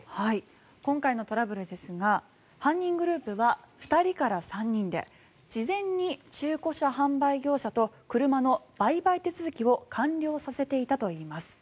今回のトラブルですが犯人グループは２人から３人で事前に中古車販売業者と車の売買手続きを完了させていたといいます。